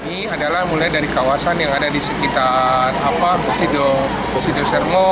ini adalah mulai dari kawasan yang ada di sekitar sido serlo